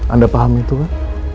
anda paham itu kan